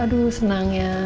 aduh senang ya